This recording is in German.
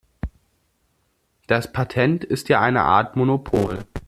Das Patent ist ja eine Art Monopol.